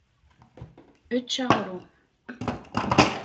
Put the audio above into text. Ečč aɣrum.